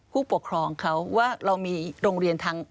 ผู้ปกครองเขาว่าเรามีโรงเรียนทาง